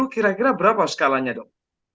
kira kira berapa skalanya dok